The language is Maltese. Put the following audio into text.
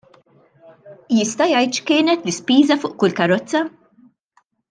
Jista' jgħid x'kienet l-ispiża fuq kull karozza?